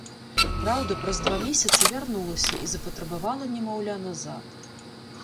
Праўда, праз два месяцы вярнулася і запатрабавала немаўля назад.